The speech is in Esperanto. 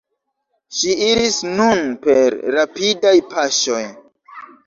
Ŝi iris nun per rapidaj paŝoj.